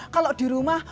kalau di rumah